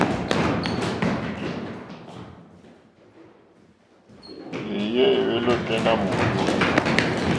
Éèyé éhwélì ôténá mòrzô.